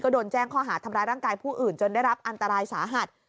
โดนแจ้งข้อหาทำร้ายร่างกายผู้อื่นจนได้รับอันตรายสาหัส